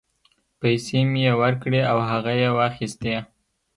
پیسې مې یې ورکړې او هغه یې واخیستې.